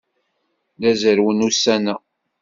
La zerrwen ussan-a.